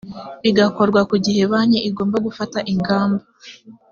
bigakorwa ku gihe banki igomba gufata ingamba